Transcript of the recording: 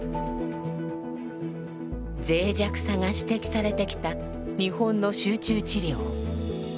ぜい弱さが指摘されてきた日本の集中治療。